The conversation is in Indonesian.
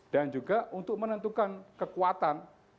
dan juga untuk menentukan kekuatan